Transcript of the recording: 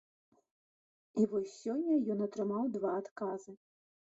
І вось сёння ён атрымаў два адказы.